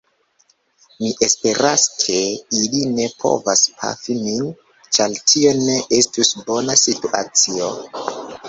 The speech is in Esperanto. Mi esperas, ke ili ne povas pafi min, ĉar tio ne estus bona situacio.